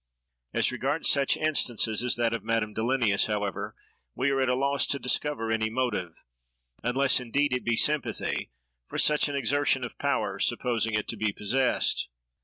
As regards such instances as that of Madame Dillenius, however, we are at a loss to discover any motive—unless, indeed, it be sympathy—for such an exertion of power, supposing it to be possessed.